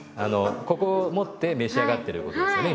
ここを持って召し上がってることですよね